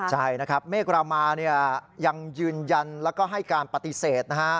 ใช่นะครับเม็กรามายังยืนยันและให้การปฏิเสธ